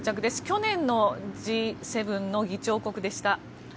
去年のＧ７の議長国でした。